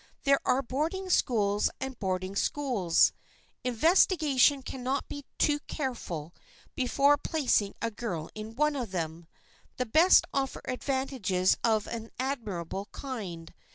There are boarding schools and boarding schools. Investigation can not be too careful before placing a girl in one of them. The best offer advantages of an admirable kind.